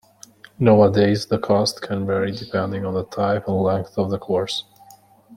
Nowadays the cost can vary depending on the type and length of the course.